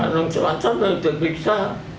nah celaca itu diperiksa